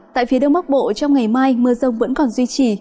tại phía đông bắc bộ trong ngày mai mưa rông vẫn còn duy trì